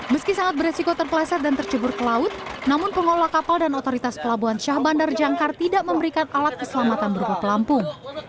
meski sangat beresiko terpeleset dan tercebur ke laut namun pengolah kapal dan otoritas pelabuhan syah bandar jangkar tidak memberikan alat keselamatan berupa pelampung